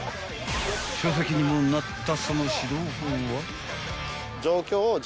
［書籍にもなった］